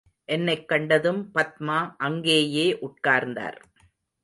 என்னைக் கண்டதும் பத்மா அங்கேயே உட்கார்ந்தார்.